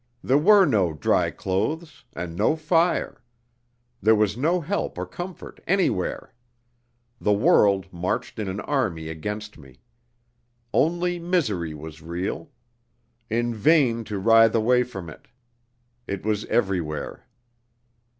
There were no dry clothes, and no fire. There was no help or comfort anywhere. The world marched in an army against me. Only misery was real; in vain to writhe away from it; it was everywhere.